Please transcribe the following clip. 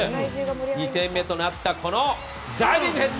２点目となったこのダイビングヘッド！